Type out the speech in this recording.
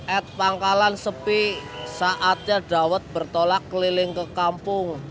at pangkalan sepi saatnya dawet bertolak keliling ke kampung